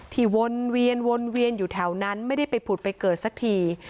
วนเวียนวนเวียนอยู่แถวนั้นไม่ได้ไปผุดไปเกิดสักที